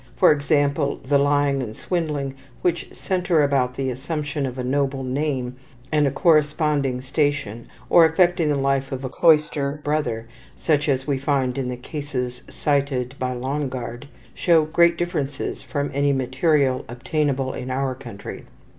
For example, the lying and swindling which center about the assumption of a noble name and a corresponding station or affecting the life of a cloister brother, such as we find in the cases cited by Longard, show great differences from any material obtainable in our country.